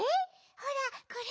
ほらこれ。